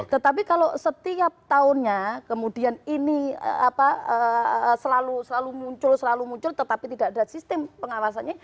tetapi kalau setiap tahunnya kemudian ini selalu muncul selalu muncul tetapi tidak ada sistem pengawasannya